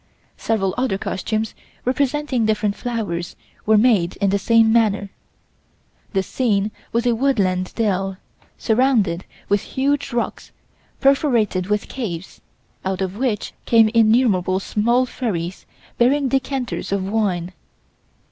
Several other costumes representing different flowers were made in the same manner. The scene was a woodland dell, surrounded with huge rocks perforated with caves, out of which came innumerable small fairies bearing decanters of wine.